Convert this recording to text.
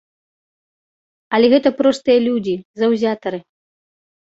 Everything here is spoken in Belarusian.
Але гэта простыя людзі, заўзятары.